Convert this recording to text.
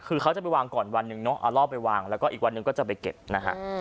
คือเขาจะไปวางก่อนวันหนึ่งเนอะเอารอบไปวางแล้วก็อีกวันหนึ่งก็จะไปเก็บนะฮะ